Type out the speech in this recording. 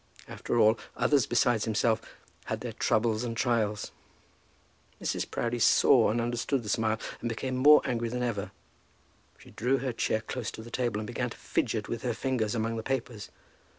After all, others besides himself had their troubles and trials. Mrs. Proudie saw and understood the smile, and became more angry than ever. She drew her chair close to the table, and began to fidget with her fingers among the papers.